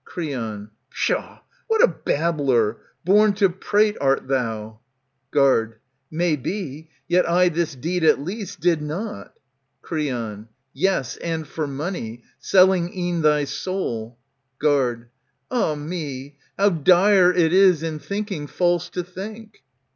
Creon, Pshaw ! what a babbler, born to prate art thou ! 820 Guard. May be ; yet I this deed, at least, did not. Creon, Yes, and for money ; selling e'en thy soul. Guard. Ah me ! How dire it is, in thinking, false to think